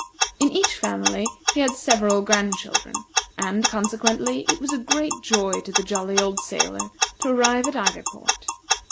In each family he had several grandchildren; and, consequently, it was a great joy to the jolly old sailor to arrive at either port.